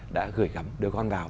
đã gửi gắm đứa con vào